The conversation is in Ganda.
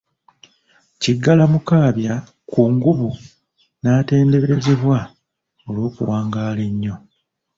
Kiggala Mukaabya Kkungubu n'atenderezebwa olw'okuwangaala ennyo.